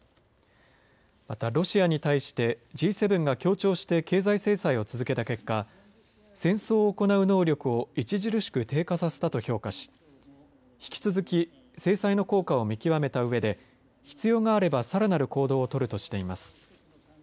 また、ロシアに対してＧ７が協調して経済制裁を続けた結果戦争を行う能力を著しく低下させたと評価し引き続き制裁の効果を見極めたうえで必要があれば、さらなる行動を取るとしています。